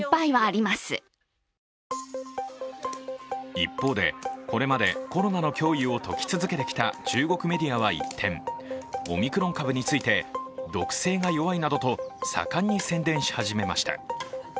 一方で、これまでコロナの脅威を説き続けてきた中国メディアは一転オミクロン株について毒性が弱いなどと盛んに宣伝し始めました。